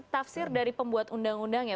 tafsir dari pembuat undang undang ya